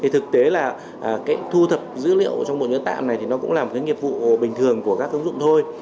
thực tế là thu thập dữ liệu trong bộ nhớ tạng này thì nó cũng là một cái nghiệp vụ bình thường của các ứng dụng thôi